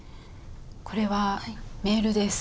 これはメールです。